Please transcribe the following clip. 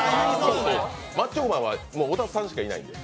マッチョ熊は小田さんしかいないから。